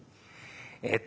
えっと